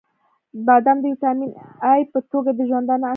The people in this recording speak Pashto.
• بادام د ویټامین ای په توګه د ژوندانه اړتیا لري.